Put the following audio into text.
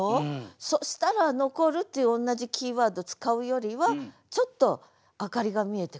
そしたら「残る」っていう同じキーワード使うよりはちょっと明かりが見えてくる。